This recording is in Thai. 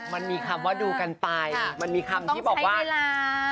มันมีคำว่าดูกันไปมันมีคำที่บอกว่าเวลา